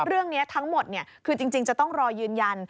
เรื่องนี้ทั้งหมดคือจริงจะต้องรอยืนยัน